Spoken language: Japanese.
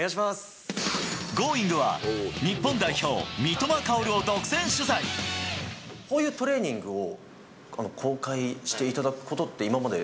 Ｇｏｉｎｇ！は、日本代表、こういうトレーニングを、公開していただくことって、今まで？